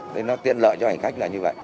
nên nó tiện lợi cho hành khách là như vậy